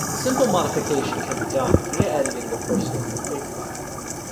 Simple modification can be done via editing the personal config file.